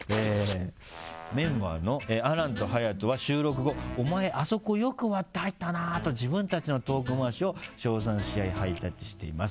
メンバーの亜嵐と隼人は収録後お前、あそこよく割って入ったなと自分たちのトーク回しを称賛し合いハイタッチしています。